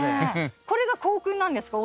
これが校訓なんですか？